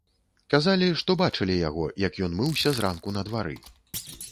Казалі, што бачылі яго, як ён мыўся зранку на двары.